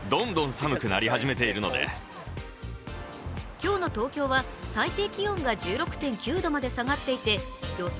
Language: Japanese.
今日の東京は最低気温が１６．９度まで下がっていて予想